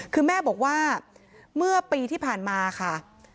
คือแม่บอกว่าเมื่อปีที่ผ่านมาค่ะ